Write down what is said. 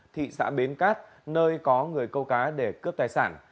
thị xã bến cát nơi có người câu cá để cướp tài sản